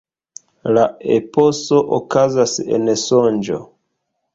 La eposo okazas en sonĝo.